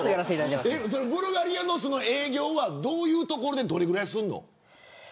ブルガリアの営業はどういう所でどれぐらいするの。